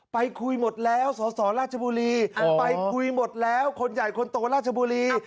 ไปคุยหมดแล้วสสราชบุรีไปคุยหมดแล้วคนใหญ่คนโตราชบุรี